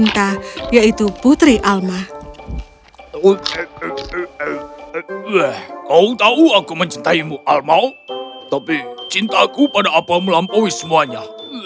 tapi cinta aku pada apa melampaui semuanya